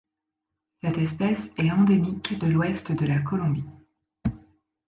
Cette espèce est endémique de l'Ouest de la Colombie.